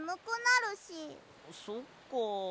そっか。